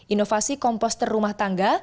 inovasi komposter rumah tangga